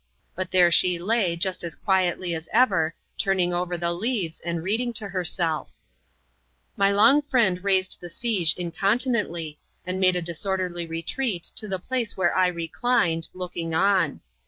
But there she lay just as quietly as ever, turning over the leaves, and reading to hersel£ My long friend raised the siege incontinently, and made a disorderly retreat to the place where I reclined, looking on.